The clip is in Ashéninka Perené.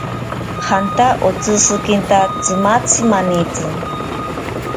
Janta otsishikinta tsimatzi manitsi.